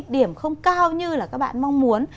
điểm không cao như là các bạn mong muốn